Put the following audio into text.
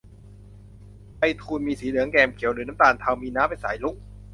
ไพฑูรย์ มีสีเหลืองแกมเขียว หรือน้ำตาลเทา มีน้ำเป็นสายรุ้ง